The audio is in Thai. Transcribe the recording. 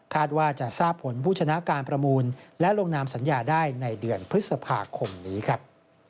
ว่าจะทราบผลผู้ชนะการประมูลและลงนามสัญญาได้ในเดือนพฤษภาคมนี้ครับ